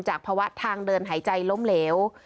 ภาวะทางเดินหายใจล้มเหลว